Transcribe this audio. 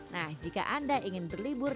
nah jika anda ingin berlibur